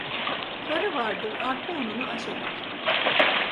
Karı vardır arpa ununu aş eder.